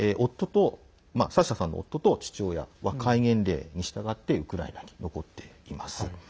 サーシャさんの夫と父親は戒厳令に従ってウクライナに残っています。